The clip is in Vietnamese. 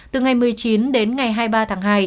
từ ngày một mươi chín đến ngày hai mươi ba tháng hai